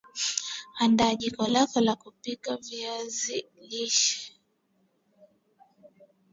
andaa jiko lako la kupikia viazi lishe